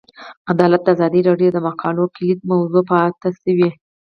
عدالت د ازادي راډیو د مقالو کلیدي موضوع پاتې شوی.